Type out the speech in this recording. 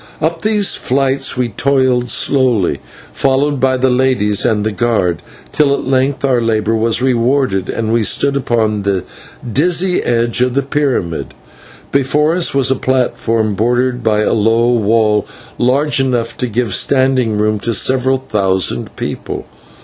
Up these flights we toiled slowly, followed by the ladies and the guard, till at length our labour was rewarded, and we stood upon the dizzy edge of the pyramid. Before us was a platform bordered by a low wall, large enough to give standing room to several thousand people.